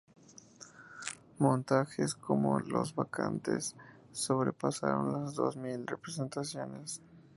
Montajes como "Las bacantes" sobrepasaron las dos mil representaciones.